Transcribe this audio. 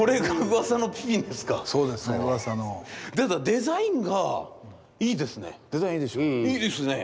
デザインがいいですね。